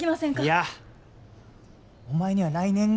いやお前には来年がある。